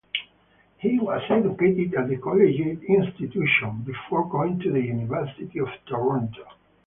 He was educated at the Collegiate Institution before going to the University of Toronto.